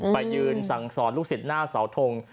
ไปยืนสั่งสอนลูกศิษย์หน้าเสาทง